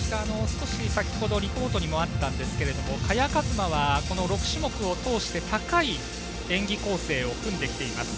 先ほどリポートにもあったんですが萱和磨は６種目通して高い演技構成を組んできています。